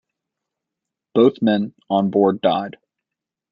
Both men on board died.